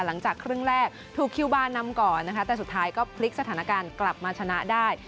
หลังจากครึ่งแรกถูกคิวบาร์นำก่อนนะคะแต่สุดท้ายก็พลิกสถานการณ์กลับมาชนะได้